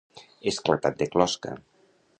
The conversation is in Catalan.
Esclatat de closca.